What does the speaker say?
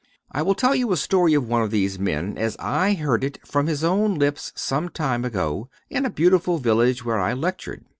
I will tell you a story of one of these men, as I heard it from his own lips some time ago, in a beautiful village where I lectured.